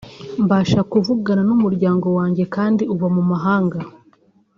Mbasha kuvugana n’umuryango wanjye kandi uba mu mahanga